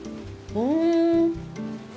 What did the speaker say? うん。